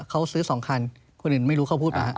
เขาซื้อ๒คันคนอื่นไม่รู้เขาพูดมา